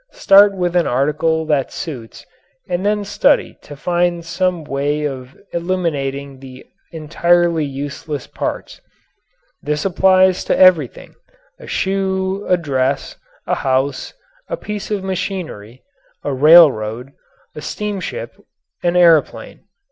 Start with an article that suits and then study to find some way of eliminating the entirely useless parts. This applies to everything a shoe, a dress, a house, a piece of machinery, a railroad, a steamship, an airplane.